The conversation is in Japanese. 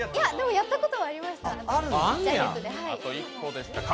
やったことはありました。